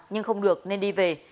nhưng không được nên đi về